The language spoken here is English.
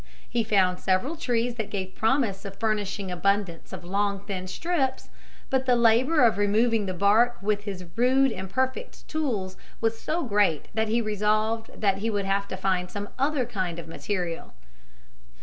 He found several trees that gave promise of furnishing abundance of long, thin strips, but the labor of removing the bark with his rude imperfect tools was so great that he resolved that he would have to find some other kind of material.